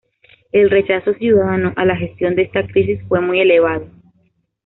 El rechazo ciudadano a la gestión de esta crisis fue muy elevado.